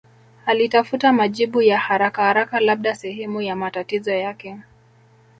Alitafuta majibu ya harakaharaka labda sehemu ya matatizo yake